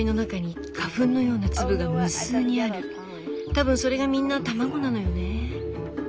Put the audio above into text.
多分それがみんな卵なのよね。